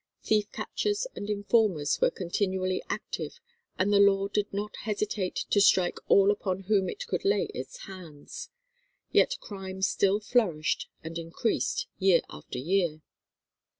Thief catchers and informers were continually active, and the law did not hesitate to strike all upon whom it could lay its hands. Yet crime still flourished and increased year after year.